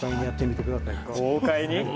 豪快に。